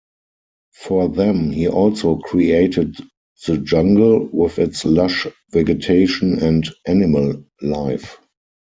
For them he also created the jungle with its lush vegetation and animal life.